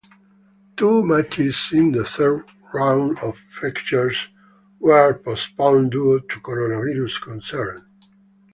Two matches in the third round of fixtures were postponed due to coronavirus concerns.